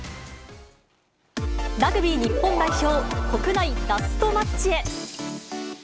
ラグビー日本代表、国内ラストマッチへ。